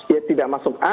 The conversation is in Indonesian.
ya tidak masuk akal